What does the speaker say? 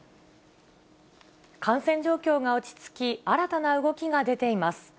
感染状況が落ち着き、新たな動きが出ています。